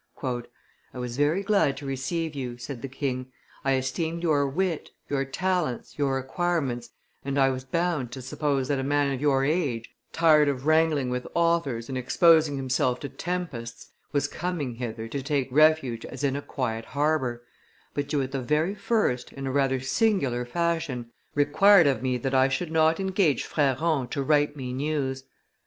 "I was very glad to receive you," said the king; "I esteemed your wit, your talents, your acquirements, and I was bound to suppose that a man of your age, tired of wrangling with authors and exposing himself to tempests, was coming hither to take refuge as in a quiet harbor; but you at the very first, in a rather singular fashion, required of me that I should not engage Frerron to write me news.